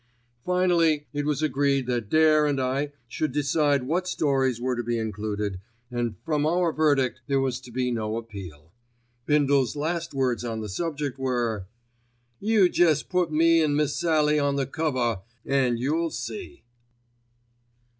Finally it was agreed that Dare and I should decide what stories were to be included, and from our verdict there was to be no appeal. Bindle's last words on the subject were— "You jest put me an' Miss Sallie on the cover an' you'll see."